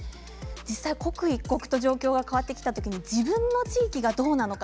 実際、刻一刻と状況が変わってきた時自分の地域がどうなのか